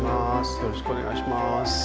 よろしくお願いします。